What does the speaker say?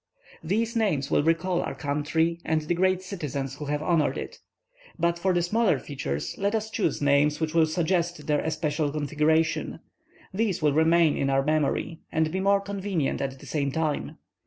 These names will recall our country and the great citizens who have honored it; but for the smaller features, let us choose names which will suggest their especial configuration. These will remain in our memory and be more convenient at the same time.